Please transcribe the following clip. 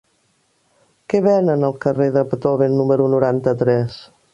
Què venen al carrer de Beethoven número noranta-tres?